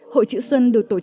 hội chữ xuân được tổ chức